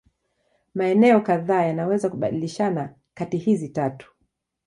Maeneo kadhaa yanaweza kubadilishana kati hizi tatu.